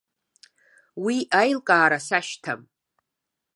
Уи аилкаара сашьҭам.